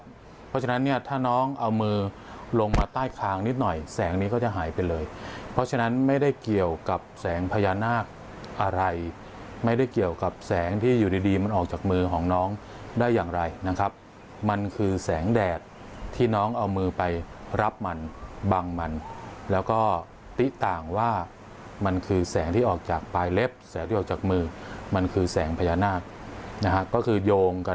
เพราะฉะนั้นเนี่ยถ้าน้องเอามือลงมาใต้คางนิดหน่อยแสงนี้ก็จะหายไปเลยเพราะฉะนั้นไม่ได้เกี่ยวกับแสงพญานาคอะไรไม่ได้เกี่ยวกับแสงที่อยู่ดีมันออกจากมือของน้องได้อย่างไรนะครับมันคือแสงแดดที่น้องเอามือไปรับมันบังมันแล้วก็ติ๊ต่างว่ามันคือแสงที่ออกจากปลายเล็บแสงที่ออกจากมือมันคือแสงพญานาคนะฮะก็คือโยงกับ